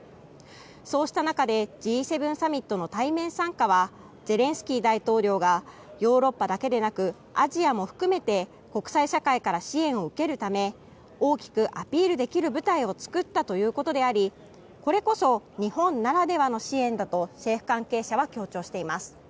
そうした中でＧ７サミットの対面参加はゼレンスキー大統領がヨーロッパだけでなくアジアも含めて国際社会から支援を受けるため大きくアピールできる場を作ったということでありこれこそ日本ならではの支援だと政府関係者は強調しています。